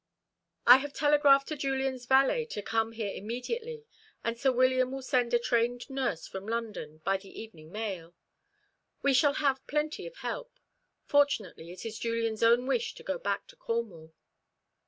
I have telegraphed to Julian's valet to come here immediately, and Sir William will send a trained nurse from London by the evening mail. We shall have plenty of help. Fortunately it is Julian's own wish to go back to Cornwall."